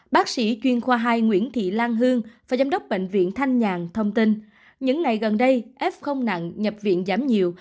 bác sĩ chuyên khoa hai nguyễn thị lan hương và giám đốc bệnh viện thanh nhàn thông tin những ngày gần đây ép không nặng nhập viện giảm nhiều